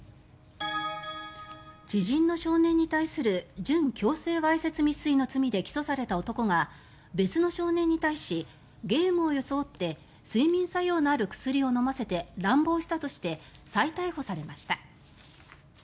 知人の少年に対する準強制わいせつ未遂の罪で起訴された男が別の少年に対しゲームを装って睡眠作用のある薬を飲ませて乱暴したとして再逮捕されました。